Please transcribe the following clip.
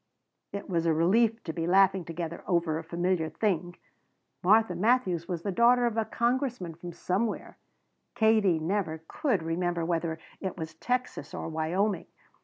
It was a relief to be laughing together over a familiar thing. Martha Matthews was the daughter of a congressman from somewhere Katie never could remember whether it was Texas or Wyoming.